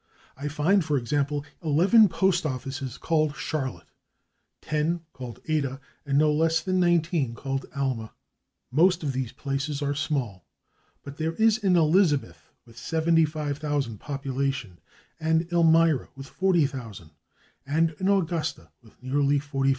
[Pg289] I find, for example, eleven postoffices called /Charlotte/, ten called /Ada/ and no less than nineteen called /Alma/. Most of these places are small, but there is an /Elizabeth/ with 75,000 population, an /Elmira/ with 40,000, and an /Augusta/ with nearly 45,000.